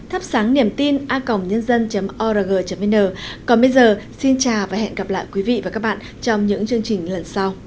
hãy đăng ký kênh để ủng hộ kênh của mình nhé